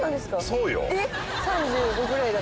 そうよ。